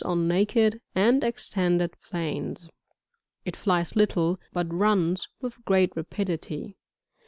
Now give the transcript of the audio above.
on naked and extended planes ; it flies little, but runs with great rapidity.